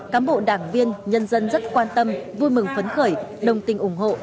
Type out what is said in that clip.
cám bộ đảng viên nhân dân rất quan tâm vui mừng phấn khởi đồng tình ủng hộ